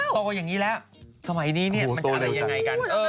โตอย่างนี้แล้วสมัยนี้มันจะอะไรยังไงกัน